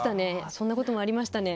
そんなこともありましたね。